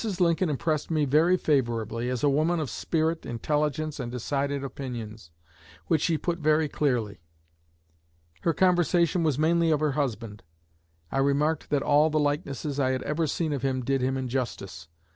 Lincoln impressed me very favorably, as a woman of spirit, intelligence, and decided opinions, which she put very clearly. Our conversation was mainly of her husband. I remarked that all the likenesses I had ever seen of him did him injustice.